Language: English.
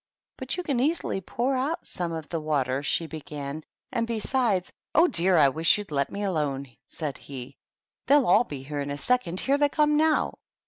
"But you can easily pour out some of the water," she began ;" and, besides " "Oh, dear! I wish you'd let me alone," said he. "They'll all be here in a second. Here they come now."